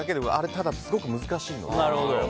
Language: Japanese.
ただあれすごく難しいので。